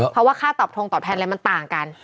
เพราะว่าค่าตอบทงตอบแทนอะไรมันต่างกัน